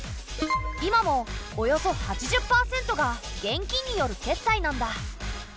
今もおよそ８０パーセントが現金による決済なんだ。